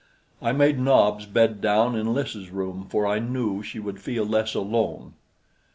I made Nobs' bed down in Lys' room, for I knew she would feel less alone.